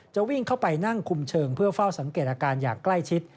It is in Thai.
วิ่งเข้าไปนั่งคุมเชิงเพื่อเฝ้าสังเกตอาการอย่างใกล้ชิด